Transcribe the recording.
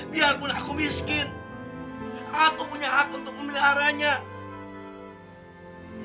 biarpun aku miskin aku punya hak untuk memeliharanya